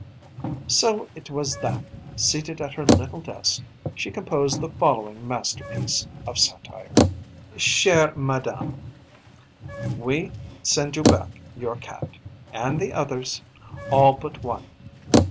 So it was that, seated at her little desk, she composed the following masterpiece of satire: CHÈRE MADAME, We send you back your cat, and the others all but one.